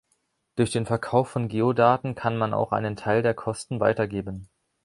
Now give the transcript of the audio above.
Durch den Verkauf von Geodaten kann man auch einen Teil der Kosten weitergeben.